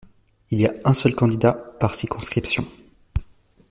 Il y a un seul candidat par circonscription.